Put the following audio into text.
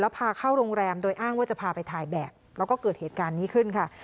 พาเข้าโรงแรมโดยอ้างว่าจะพาไปถ่ายแบบแล้วก็เกิดเหตุการณ์นี้ขึ้นค่ะ